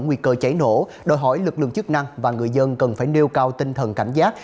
nguy cơ cháy nổ đòi hỏi lực lượng chức năng và người dân cần phải nêu cao tinh thần cảnh giác